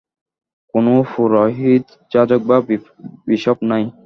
কোন পুরোহিত, যাজক বা বিশপ নাই।